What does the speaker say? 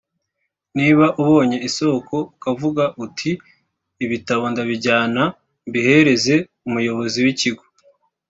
niba ubonye isoko ukavuga uti ibitabo ndabijyana mbihereze umuyobozi w’ikigo